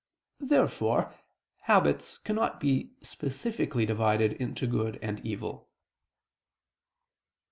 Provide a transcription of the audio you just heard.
Therefore habits cannot be specifically divided into good and evil.